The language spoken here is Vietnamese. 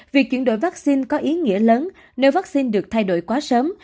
việc chuyển đổi vaccine có ý nghĩa lớn nếu vaccine được thay đổi quá sớm